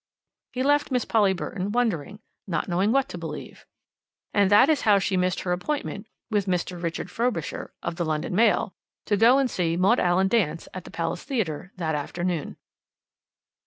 He left Miss Polly Burton wondering, not knowing what to believe. And that is why she missed her appointment with Mr. Richard Frobisher (of the London Mail) to go and see Maud Allan dance at the Palace Theatre that afternoon.